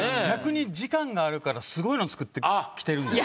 逆に時間があるからすごいの作ってきてる。